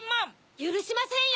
ゆるしませんよ！